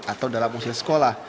atau dalam usia sekolah